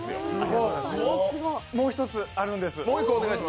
もう一つ、あるんです。